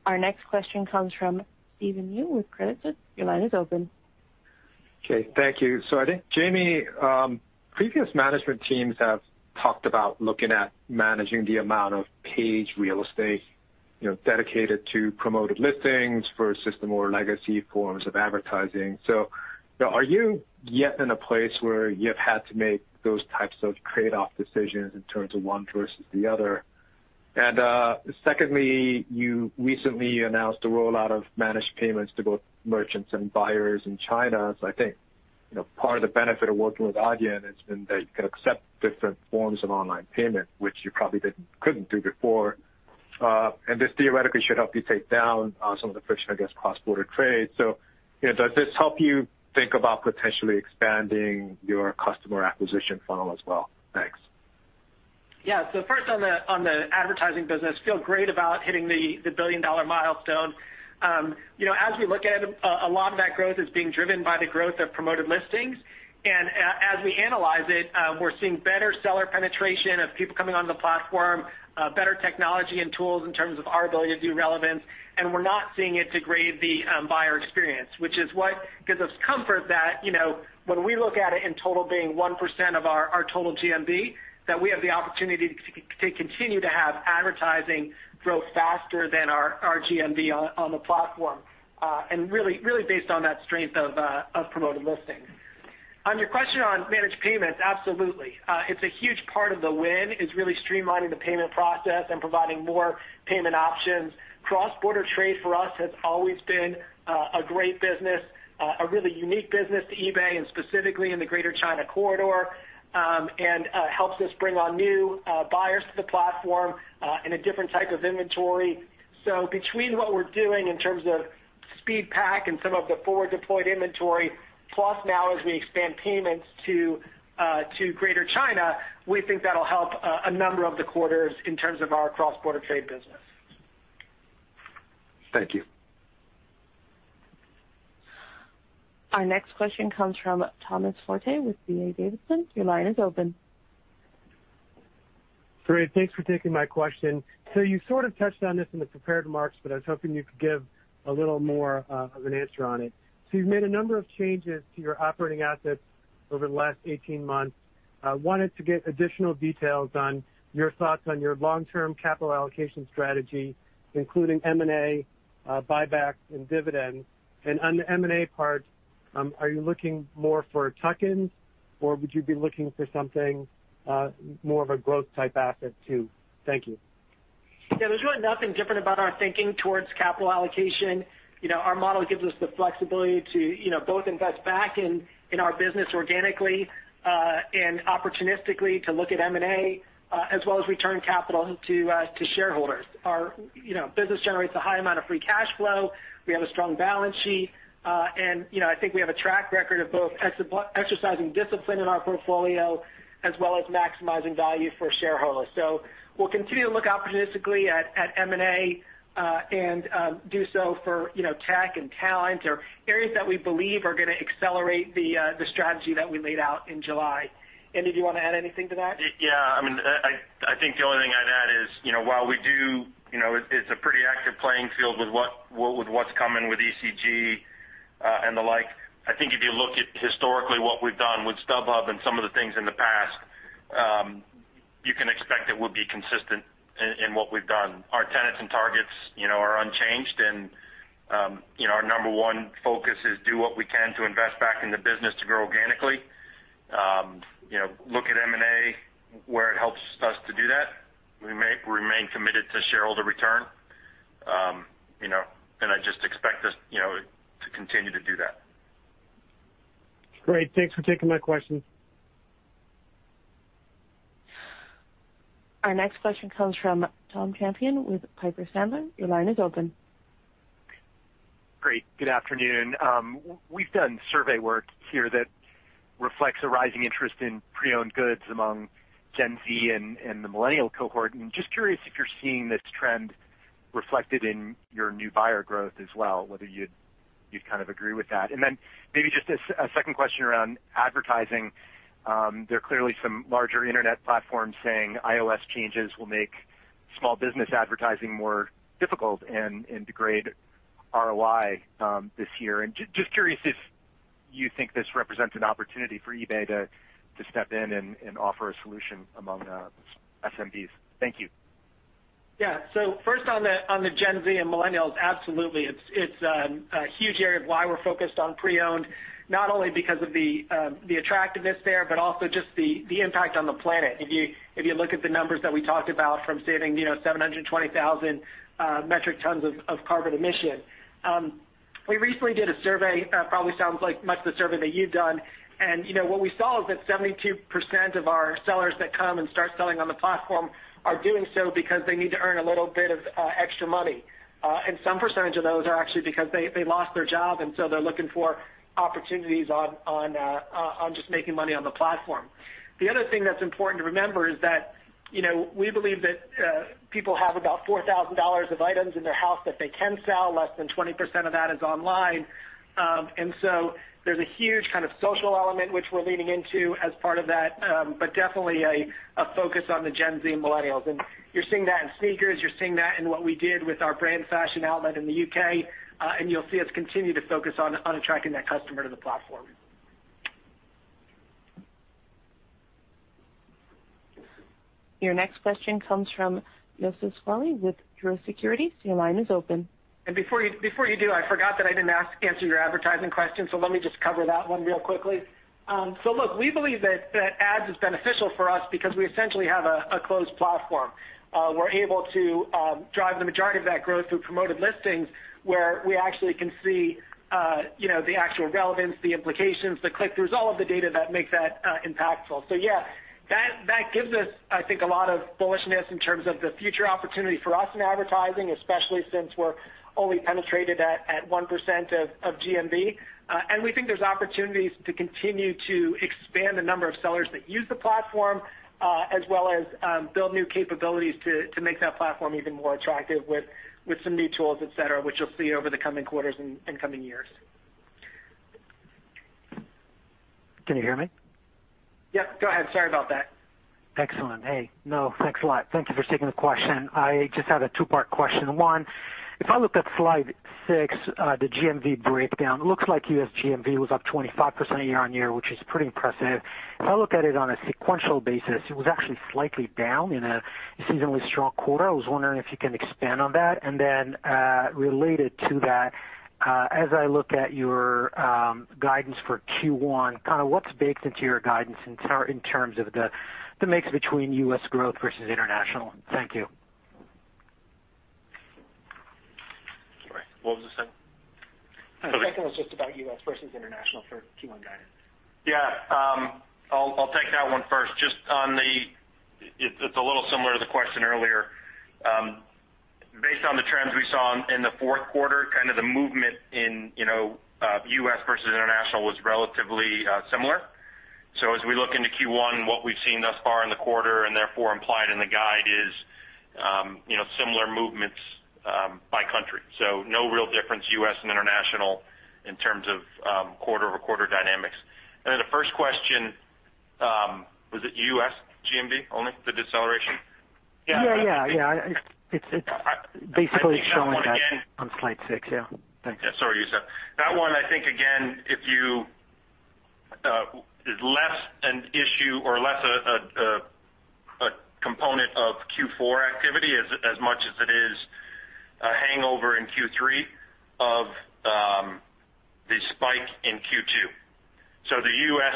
Our next question comes from Stephen Ju with Credit Suisse. Your line is open. Okay, thank you. I think, Jamie, previous management teams have talked about looking at managing the amount of page real estate dedicated to Promoted Listings for system or legacy forms of advertising. Are you yet in a place where you have had to make those types of trade-off decisions in terms of one versus the other? Secondly, you recently announced a rollout of Managed Payments to both merchants and buyers in China. I think, part of the benefit of working with Adyen has been that you can accept different forms of online payment, which you probably couldn't do before. This theoretically should help you take down some of the friction, I guess, cross-border trade. Does this help you think about potentially expanding your customer acquisition funnel as well? Thanks. First on the advertising business, feel great about hitting the $1 billion milestone. As we look at it, a lot of that growth is being driven by the growth of Promoted Listings. As we analyze it, we're seeing better seller penetration of people coming on the platform, better technology and tools in terms of our ability to do relevance. We're not seeing it degrade the buyer experience, which is what gives us comfort that, when we look at it in total being 1% of our total GMV, we have the opportunity to continue to have advertising grow faster than our GMV on the platform. Really based on that strength of Promoted Listings. On your question on Managed Payments, absolutely. It's a huge part of the win, is really streamlining the payment process and providing more payment options. Cross-border trade for us has always been a great business, a really unique business to eBay and specifically in the Greater China corridor, helps us bring on new buyers to the platform, and a different type of inventory. Between what we're doing in terms of SpeedPAK and some of the forward-deployed inventory, plus now as we expand payments to Greater China, we think that'll help a number of the quarters in terms of our cross-border trade business. Thank you. Our next question comes from Thomas Forte with D.A. Davidson. Your line is open. Great. Thanks for taking my question. You sort of touched on this in the prepared remarks, but I was hoping you could give a little more of an answer on it. You've made a number of changes to your operating assets over the last 18 months. I wanted to get additional details on your thoughts on your long-term capital allocation strategy, including M&A, buybacks and dividends. On the M&A part, are you looking more for tuck-ins, or would you be looking for something more of a growth-type asset, too? Thank you. Yeah, there's really nothing different about our thinking towards capital allocation. Our model gives us the flexibility to both invest back in our business organically, and opportunistically to look at M&A, as well as return capital to shareholders. Our business generates a high amount of free cash flow. We have a strong balance sheet. I think we have a track record of both exercising discipline in our portfolio as well as maximizing value for shareholders. We'll continue to look opportunistically at M&A, and do so for tech and talent or areas that we believe are going to accelerate the strategy that we laid out in July. Andy, do you want to add anything to that? I think the only thing I'd add is, while we do, it's a pretty active playing field with what's coming with eCG, and the like. I think if you look at historically what we've done with StubHub and some of the things in the past, you can expect it will be consistent in what we've done. Our tenets and targets are unchanged and our number one focus is do what we can to invest back in the business to grow organically. Look at M&A where it helps us to do that. We remain committed to shareholder return. I just expect us to continue to do that. Great. Thanks for taking my question. Our next question comes from Tom Champion with Piper Sandler. Your line is open. Great. Good afternoon. We've done survey work here that reflects a rising interest in pre-owned goods among Gen Z and the millennial cohort, and just curious if you're seeing this trend reflected in your new buyer growth as well, whether you'd kind of agree with that. Then maybe just a second question around advertising. There are clearly some larger internet platforms saying iOS changes will make small business advertising more difficult and degrade ROI this year. Just curious if you think this represents an opportunity for eBay to step in and offer a solution among SMBs. Thank you. First on the Gen Z and millennials, absolutely. It's a huge area of why we're focused on pre-owned, not only because of the attractiveness there, but also just the impact on the planet. If you look at the numbers that we talked about from saving 720,000 metric tons of carbon emission. We recently did a survey, probably sounds like much the survey that you've done, and what we saw is that 72% of our sellers that come and start selling on the platform are doing so because they need to earn a little bit of extra money. Some percentage of those are actually because they lost their job and so they're looking for opportunities on just making money on the platform. The other thing that's important to remember is that, we believe that people have about $4,000 of items in their house that they can sell. Less than 20% of that is online. There's a huge kind of social element which we're leaning into as part of that. Definitely a focus on the Gen Z and millennials. You're seeing that in sneakers. You're seeing that in what we did with our brand fashion outlet in the U.K. You'll see us continue to focus on attracting that customer to the platform. Your next question comes from Youssef Squali with Truist Securities. Your line is open. Before you do, I forgot that I didn't answer your advertising question. Let me just cover that one real quickly. Look, we believe that ads is beneficial for us because we essentially have a closed platform. We're able to drive the majority of that growth through Promoted Listings where we actually can see the actual relevance, the implications, the click-throughs, all of the data that make that impactful. Yeah, that gives us, I think, a lot of bullishness in terms of the future opportunity for us in advertising, especially since we're only penetrated at 1% of GMV. We think there's opportunities to continue to expand the number of sellers that use the platform, as well as build new capabilities to make that platform even more attractive with some new tools, et cetera, which you'll see over the coming quarters and coming years. Can you hear me? Yes, go ahead. Sorry about that. Excellent. Hey. No, thanks a lot. Thank you for taking the question. I just had a two-part question. One, if I look at slide six, the GMV breakdown, looks like U.S. GMV was up 25% year-on-year, which is pretty impressive. If I look at it on a sequential basis, it was actually slightly down in a seasonally strong quarter. I was wondering if you can expand on that. Related to that, as I look at your guidance for Q1, what's baked into your guidance in terms of the mix between U.S. growth versus international? Thank you. Sorry, what was the second? The second was just about U.S. versus international for Q1 guidance. I'll take that one first. It's a little similar to the question earlier. Based on the trends we saw in the fourth quarter, the movement in U.S. versus international was relatively similar. As we look into Q1, what we've seen thus far in the quarter, and therefore implied in the guide, is similar movements by country. No real difference, U.S. and international, in terms of quarter-over-quarter dynamics. The first question, was it U.S. GMV only, the deceleration? Yeah. It's basically showing that on slide six. Yeah. Thanks. Sorry, Youssef. That one, I think, again, is less an issue or less a component of Q4 activity as much as it is a hangover in Q3 of the spike in Q2. The U.S.,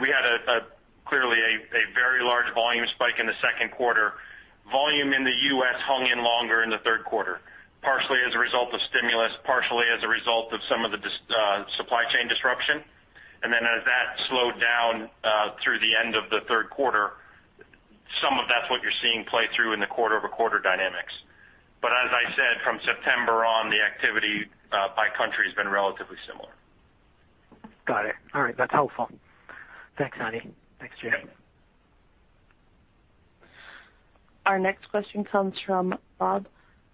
we had clearly a very large volume spike in the second quarter. Volume in the U.S. hung in longer in the third quarter, partially as a result of stimulus, partially as a result of some of the supply chain disruption. As that slowed down through the end of the third quarter, some of that's what you're seeing play through in the quarter-over-quarter dynamics. As I said, from September on, the activity by country has been relatively similar. Got it. All right. That's helpful. Thanks, Andy. Thanks, Jamie. Our next question comes from Bob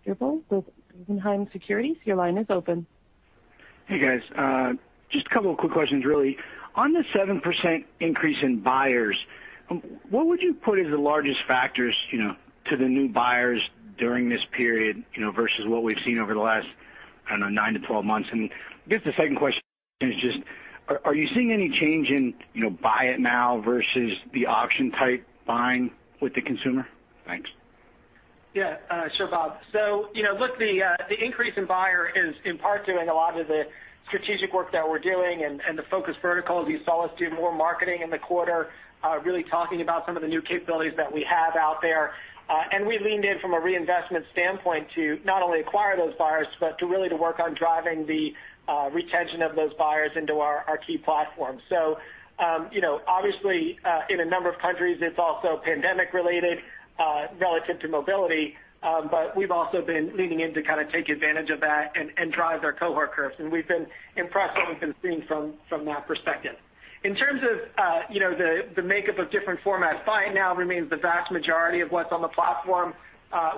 Drbul with Guggenheim Securities. Your line is open. Hey, guys. Just a couple of quick questions really. On the 7% increase in buyers, what would you put as the largest factors to the new buyers during this period versus what we've seen over the last, I don't know, 9 to 12 months? I guess the second question is just, are you seeing any change in buy it now versus the auction-type buying with the consumer? Thanks. Yeah. Sure, Bob. Look, the increase in buyer is in part due to a lot of the strategic work that we're doing and the focus vertical. You saw us do more marketing in the quarter, really talking about some of the new capabilities that we have out there. We leaned in from a reinvestment standpoint to not only acquire those buyers, but to really to work on driving the retention of those buyers into our key platforms. Obviously, in a number of countries, it's also pandemic related relative to mobility. We've also been leaning in to kind of take advantage of that and drive their cohort curves, and we've been impressed what we've been seeing from that perspective. In terms of the makeup of different formats, buy it now remains the vast majority of what's on the platform.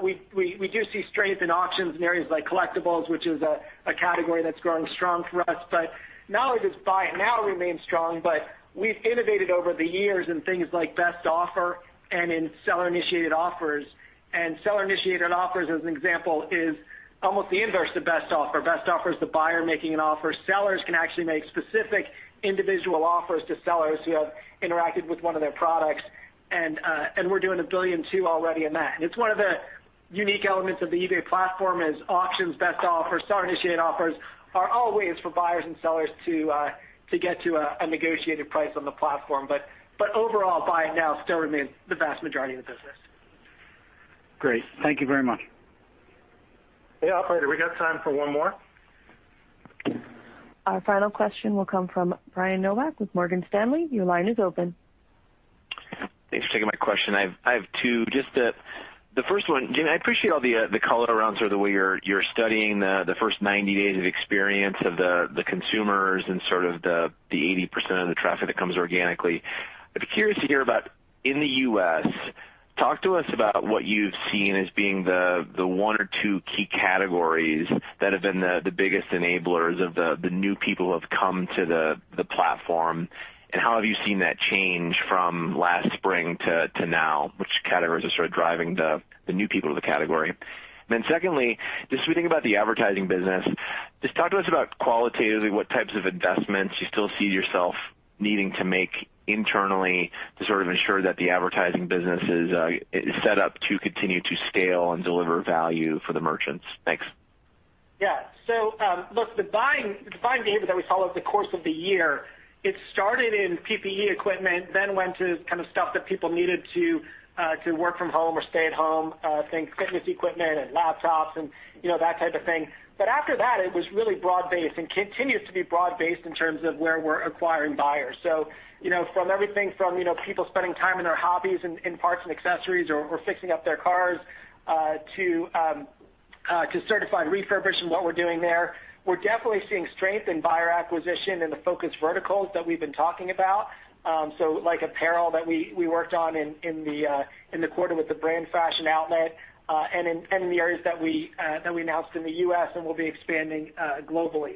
We do see strength in auctions in areas like collectibles, which is a category that's growing strong for us. Not only does Buy It Now remain strong, but we've innovated over the years in things like Best Offer and in seller-initiated offers. Seller-initiated offers, as an example, is almost the inverse to Best Offer. Best Offer is the buyer making an offer. Sellers can actually make specific individual offers to sellers who have interacted with one of their products, and we're doing $1.2 billion already in that. It's one of the unique elements of the eBay platform is auctions, Best Offers, seller-initiated offers are all ways for buyers and sellers to get to a negotiated price on the platform. Overall, Buy It Now still remains the vast majority of the business. Great. Thank you very much. Hey, operator. We got time for one more? Our final question will come from Brian Nowak with Morgan Stanley. Your line is open. Thanks for taking my question. I have two. Just the first one, Jamie, I appreciate all the color around sort of the way you're studying the first 90 days of experience of the consumers and sort of the 80% of the traffic that comes organically. I'd be curious to hear about in the U.S., talk to us about what you've seen as being the one or two key categories that have been the biggest enablers of the new people who have come to the platform, and how have you seen that change from last spring to now, which categories are sort of driving the new people to the category. secondly, just when you think about the advertising business, just talk to us about qualitatively what types of investments you still see yourself needing to make internally to sort of ensure that the advertising business is set up to continue to scale and deliver value for the merchants? Thanks. Yeah. Look, the buying behavior that we saw over the course of the year, it started in PPE equipment, then went to kind of stuff that people needed to work from home or stay at home, think fitness equipment and laptops and that type of thing. After that, it was really broad-based and continues to be broad-based in terms of where we're acquiring buyers. From everything from people spending time in their hobbies in parts and accessories or fixing up their cars to Certified Refurbished and what we're doing there. We're definitely seeing strength in buyer acquisition in the focus verticals that we've been talking about. Like apparel that we worked on in the quarter with the brand fashion outlet, and in the areas that we announced in the U.S. and we'll be expanding globally.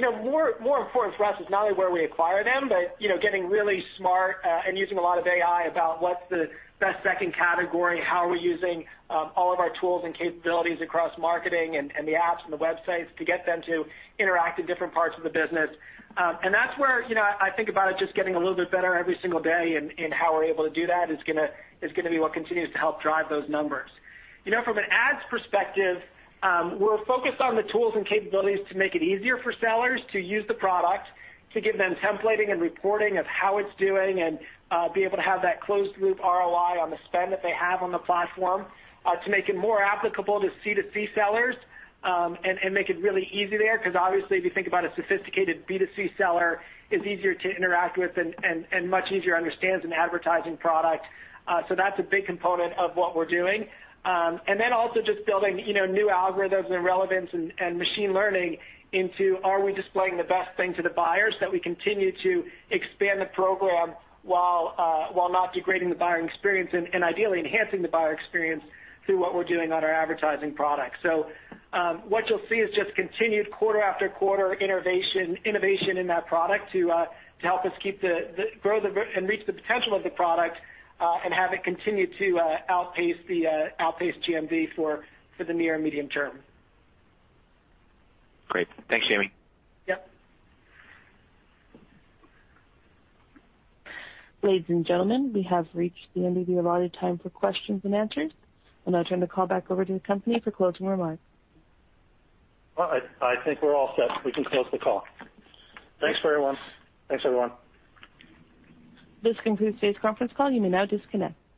More important for us is not only where we acquire them, but getting really smart, and using a lot of AI about what's the best second category, how are we using all of our tools and capabilities across marketing and the apps and the websites to get them to interact in different parts of the business. That's where I think about it just getting a little bit better every single day in how we're able to do that is gonna be what continues to help drive those numbers. From an ads perspective, we're focused on the tools and capabilities to make it easier for sellers to use the product, to give them templating and reporting of how it's doing, and be able to have that closed loop ROI on the spend that they have on the platform, to make it more applicable to C2C sellers, and make it really easy there. Obviously, if you think about a sophisticated B2C seller, it's easier to interact with and much easier understands an advertising product. That's a big component of what we're doing. Also just building new algorithms and relevance and machine learning into are we displaying the best thing to the buyers that we continue to expand the program while not degrading the buying experience and ideally enhancing the buyer experience through what we're doing on our advertising product. What you'll see is just continued quarter after quarter innovation in that product to help us grow and reach the potential of the product, and have it continue to outpace GMV for the near and medium term. Great. Thanks, Jamie. Yep. Ladies and gentlemen, we have reached the end of the allotted time for questions and answers. I now turn the call back over to the company for closing remarks. I think we're all set. We can close the call. Thanks, everyone. This concludes today's conference call. You may now disconnect.